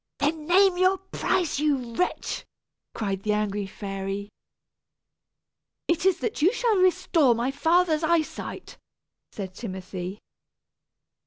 "Then name your price, you wretch!" cried the angry fairy. "It is that you shall restore my father's eye sight," said Timothy.